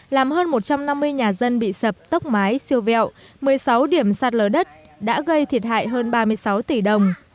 làm hơn một trăm năm mươi nhà dân bị sập tốc mái siêu vẹo một mươi sáu điểm sạt lở đất đã gây thiệt hại hơn ba mươi sáu tỷ đồng